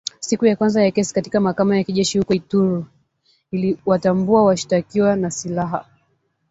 Siku ya kwanza ya kesi katika mahakama ya kijeshi huko Ituri iliwatambua washtakiwa na silaha